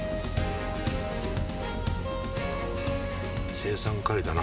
青酸カリだな。